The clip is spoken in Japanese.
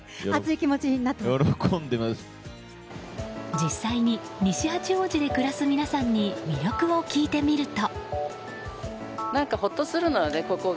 実際に西八王子に暮らす皆さんに魅力を聞いてみると。